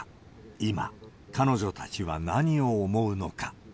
今、彼女たちは何を思うのか。